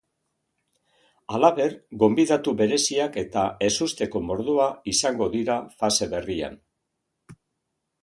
Halaber, gonbidatu bereziak eta ezusteko mordoa izango dira fase berrian.